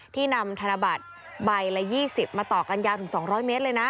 ที่นำธนบัตรใบละ๒๐มาต่อกันยาวถึง๒๐๐เมตรเลยนะ